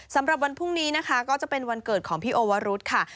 สำหรับวันพรุ่งนี้นะคะก็จะเป็นวันเกิดของพี่โอวรุธค่ะ